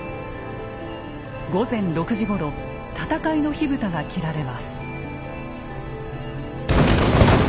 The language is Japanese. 午前６時ごろ戦いの火蓋が切られます。